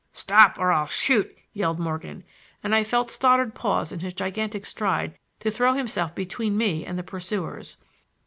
"Stop or I'll shoot," yelled Morgan, and I felt Stoddard pause in his gigantic stride to throw himself between me and the pursuers.